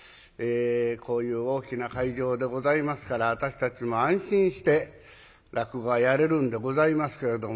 こういう大きな会場でございますから私たちも安心して落語がやれるんでございますけれども。